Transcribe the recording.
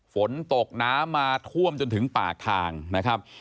ฝนตกน้ำมาท่วมจนถึงปากทางนะครับ